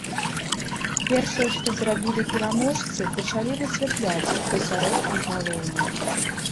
Першае, што зрабілі пераможцы, пачалі высвятляць, хто сярод іх галоўны.